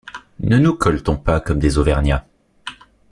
Ne nous colletons pas comme des auvergnats.